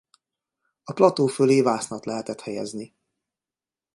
A plató fölé vásznat lehetett helyezni.